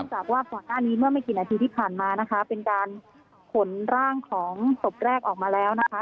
จากว่าก่อนหน้านี้เมื่อไม่กี่นาทีที่ผ่านมานะคะเป็นการขนร่างของศพแรกออกมาแล้วนะคะ